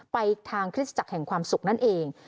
ไปทางคริสตจักรแห่งความสุขนั่นเอง